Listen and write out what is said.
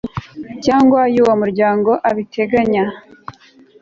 cyangwa y uwo muryango abiteganya